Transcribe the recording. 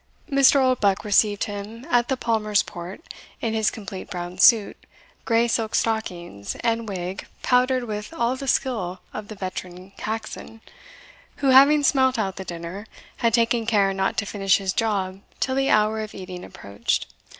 Mr. Oldbuck received him at the Palmer's port in his complete brown suit, grey silk stockings, and wig powdered with all the skill of the veteran Caxon, who having smelt out the dinner, had taken care not to finish his job till the hour of eating approached.